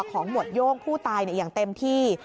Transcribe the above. ของหมวดโย่งผู้ไต้อย่างเต็มที่